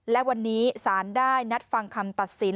และวันนี้สารได้นัดฟังคำตัดสิน